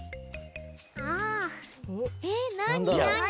あ！えっなになに？